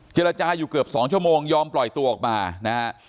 เจรจาอยู่เกือบ๒ชั่วโมงยอมปล่อยตัวออกมานะฮะ